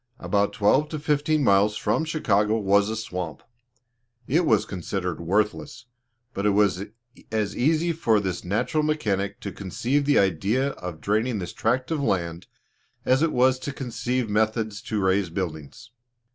About twelve to fifteen miles from Chicago was a swamp: it was considered worthless, but it was as easy for this natural mechanic to conceive the idea of draining this tract of land, as it was to conceive methods to raise buildings.